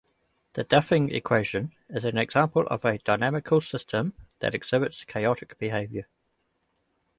The Duffing equation is an example of a dynamical system that exhibits chaotic behavior.